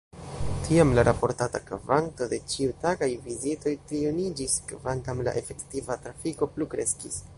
Tiam la raportata kvanto de ĉiutagaj vizitoj trioniĝis, kvankam la efektiva trafiko plu kreskis.